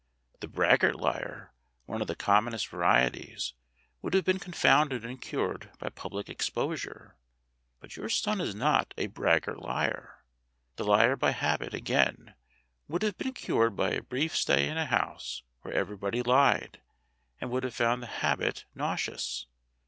The braggart liar (one of the commonest varieties) would have been confounded and cured by public ex posure. But your son is not a braggart liar. The liar by habit, again, would have been cured by a brief stay in a house where everybody lied, and would have found the habit nauseous.